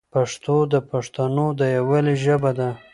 پښتو د پښتنو د یووالي ژبه ده.